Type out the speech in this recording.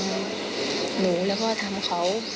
หนูแล้วก็ทำเขา